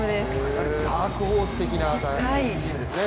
ダークホース的なチームですね。